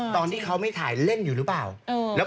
ตอนที่เขาไม่ถ่ายเล่นอยู่หรือเปล่า